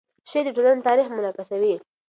شعر د ټولنې تاریخ منعکسوي.